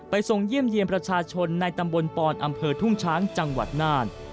ทรงเยี่ยมเยี่ยมประชาชนในตำบลปอนอำเภอทุ่งช้างจังหวัดน่าน